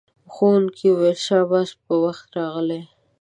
ښوونکی وویل شاباس په وخت راغلئ.